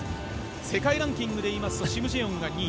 世界ランキングで言いますとシム・ジェヨンが２位。